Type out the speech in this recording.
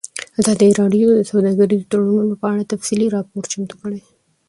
ازادي راډیو د سوداګریز تړونونه په اړه تفصیلي راپور چمتو کړی.